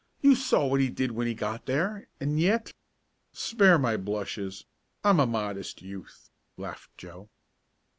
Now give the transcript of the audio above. You saw what he did when he got there and yet " "Spare my blushes! I'm a modest youth!" laughed Joe.